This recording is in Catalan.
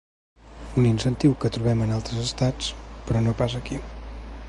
Un incentiu que trobem en altres estats, però no pas aquí.